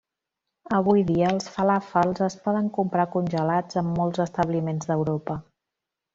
Avui dia els falàfels es poden comprar congelats en molts establiments d'Europa.